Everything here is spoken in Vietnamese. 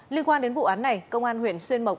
liên quan đến vụ án này công an huyện xuyên mộc